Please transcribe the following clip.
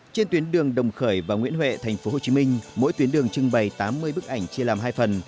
trên tuyến đường đồng khởi và nguyễn huệ thành phố hồ chí minh mỗi tuyến đường trưng bày tám mươi bức ảnh chia làm hai phần